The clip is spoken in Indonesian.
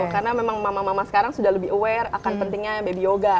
karena memang mama mama sekarang sudah lebih aware akan pentingnya baby yoga